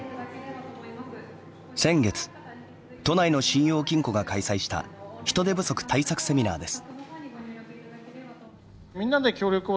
先月都内の信用金庫が開催した人手不足対策セミナーです。